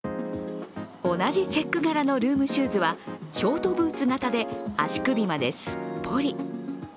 同じチェック柄のルームシュースはショートブーツ型で足首まですっぽり。